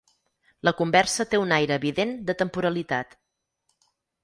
La conversa té un aire evident de temporalitat.